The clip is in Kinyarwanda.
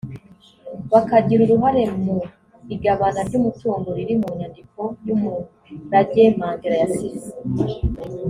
bakagira uruhare mu igabana ry’umutungo riri mu nyandiko y’umurage Mandela yasize